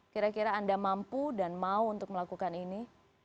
kira kira anda mampu dan mau untuk melakukan ini